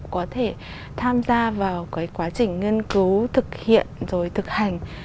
có thể tham gia vào cái quá trình nghiên cứu thực hiện rồi thực hành